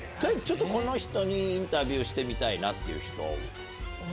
この人にインタビューしてみたいっていう人。